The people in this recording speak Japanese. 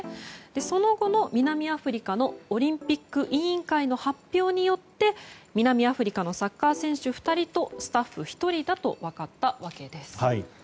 その後の南アフリカのオリンピック委員会の発表によって南アフリカのサッカー選手２人とスタッフ１人だと分かったわけです。